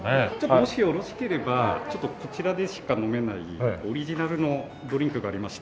もしよろしければこちらでしか飲めないオリジナルのドリンクがありまして。